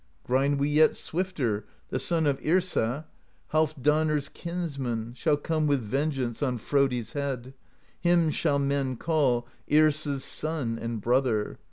'Grind we yet swifter! The son of Yrsa, Halfdanr's kinsman. Shall come with vengeance On Frodi's head: Him shall men call Yrsa's son and brother.